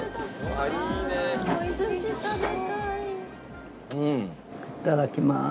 いただきます。